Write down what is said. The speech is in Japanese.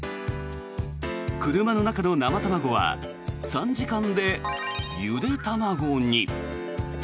車の中の生卵は３時間でゆで卵に。